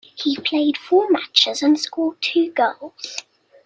He played four matches and scored two goals.